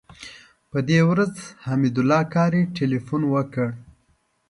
په دې ورځ حمید الله قادري تیلفون وکړ.